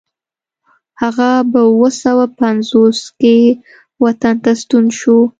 هغه په اوه سوه پنځوس کې وطن ته ستون شو.